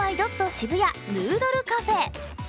シブヤヌードルカフェ。